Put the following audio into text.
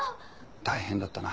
大変だったな。